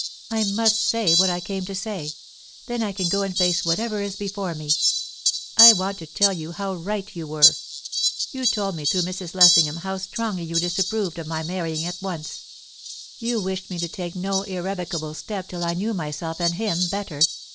"I must say what I came to say; then I can go and face whatever is before me. I want to tell you how right you were. You told me through Mrs. Lessingham how strongly you disapproved of my marrying at once; you wished me to take no irrevocable step till I knew myself and him better.